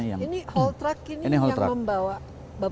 ini haul truck ini yang membawa batuan itu